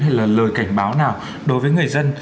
hay lời cảnh báo nào đối với người dân